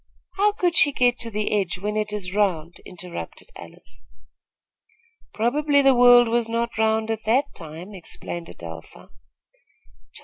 "How could she get to the edge, when it is round?" interrupted Alice. "Probably the world was not round at that time," explained Adelpha.